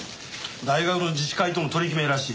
大学の自治会との取り決めらしい。